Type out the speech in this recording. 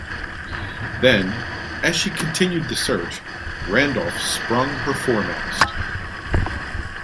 Then, as she continued the search, "Randolph" sprung her foremast.